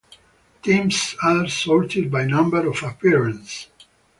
Teams are sorted by number of appearances.